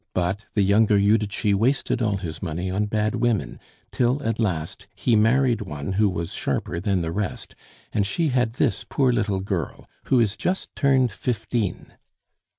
But the younger Judici wasted all his money on bad women; till, at last, he married one who was sharper than the rest, and she had this poor little girl, who is just turned fifteen."